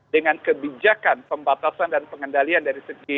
dengan kebijakan pembatasan dan pengendalian dari segi